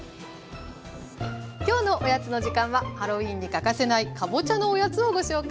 今日の「おやつのじかん」はハロウィーンに欠かせないかぼちゃのおやつをご紹介します。